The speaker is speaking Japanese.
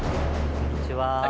こんにちは。